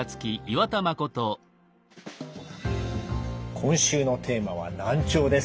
今週のテーマは「難聴」です。